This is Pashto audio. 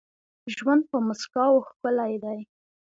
ژوند په مسکاوو ښکلی دي.